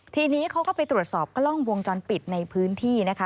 ทีนี้เขาก็ไปตรวจสอบกล้องวงจรปิดในพื้นที่นะคะ